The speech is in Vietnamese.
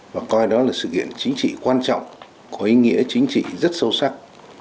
và coi đó là sự kiện chính trị quan trọng có ý nghĩa chính trị rất sâu sắc